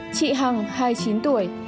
chị hằng hai mươi chín tuổi